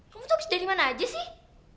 kamu tuh abis dari mana aja sih